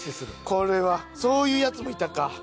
これはそういうやつもいたか。